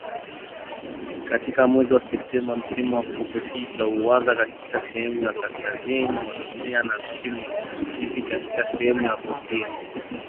Katika mwezi wa Septemba msimu wa pukutisha huanza katika sehemu ya kaskazini mwa dunia na msimu wa chipukizi katika sehemu ya Kusini